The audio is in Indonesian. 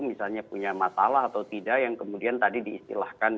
misalnya punya masalah atau tidak yang kemudian tadi diistilahkan